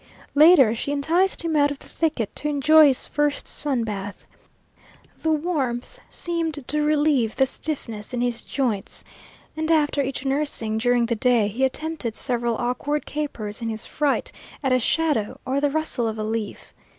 Later she enticed him out of the thicket to enjoy his first sun bath. The warmth seemed to relieve the stiffness in his joints, and after each nursing during the day he attempted several awkward capers in his fright at a shadow or the rustle of a leaf.